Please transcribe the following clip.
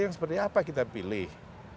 yang seperti apa kita pilih